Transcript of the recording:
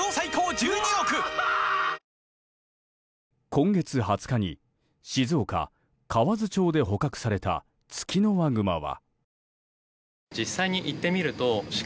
今月２０日に静岡県河津町で捕獲されたツキノワグマは。